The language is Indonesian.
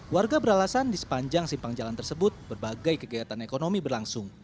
warga beralasan di sepanjang simpang jalan tersebut berbagai kegiatan ekonomi berlangsung